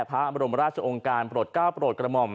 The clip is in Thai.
พระอบรมราชองการปลดก้าวปลดกระหม่อม